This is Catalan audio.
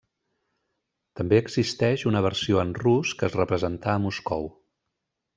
També existeix una versió en rus que es representà a Moscou.